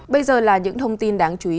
bây giờ là những thông tin đáng chú ý